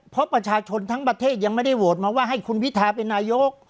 เพราะประชาชนทั้งประเทศยังไม่ได้โหวตมาว่าให้คุณพิทาเป็นนายก